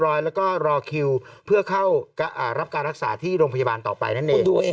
แล้วก็รอคิวเพื่อเข้ารับการรักษาที่โรงพยาบาลต่อไปนั่นเอง